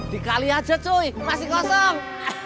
dikali aja cui masih kosong